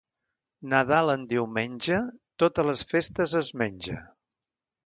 Nadal en diumenge, totes les festes es menja.